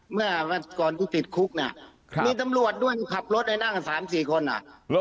แม่ก่อนที่ปิดคุกนะครับก็ด้วยคับรถในเมืองอาจสามสี่คนน่ะ